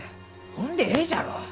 ほんでえいじゃろう！